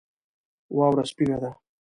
واوره سپینه ده